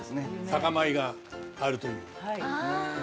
酒米があるという。